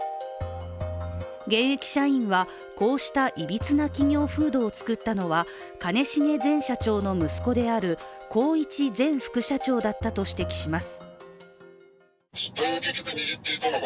現役社員は、こうしたいびつな企業風土を作ったのは兼重前社長の息子である宏一前副社長だったと指摘します。